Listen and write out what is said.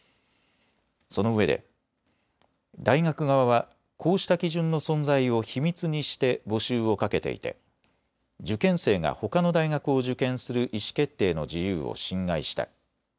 そのうえで大学側はこうした基準の存在を秘密にして募集をかけていて受験生がほかの大学を受験する意思決定の自由を侵害した。